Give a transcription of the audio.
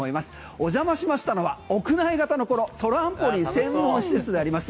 お邪魔しましたのは屋内型のトランポリン専門施設であります